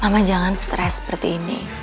mama jangan stress seperti ini